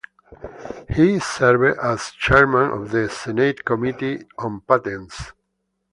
He served as chairman of the Senate Committee on Patents.